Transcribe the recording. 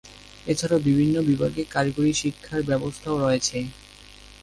এছাড়াও বিভিন্ন বিভাগে কারিগরি শিক্ষার ব্যবস্থাও রয়েছে।